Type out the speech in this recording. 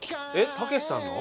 たけしさんの？